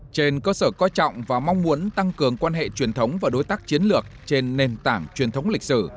trên cơ sở coi trọng và mong muốn tăng cường quan hệ truyền thống và đối tác chiến lược trên nền tảng truyền thống lịch sử